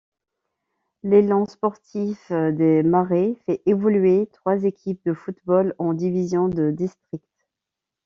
L'Élan sportif des Marais fait évoluer trois équipes de football en divisions de district.